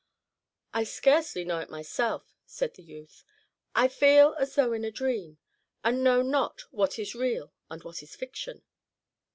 "I scarcely know it myself," said the youth. "I feel as though in a dream, and know not what is real and what fiction."